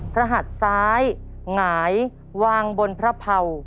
หัดซ้ายหงายวางบนพระเผา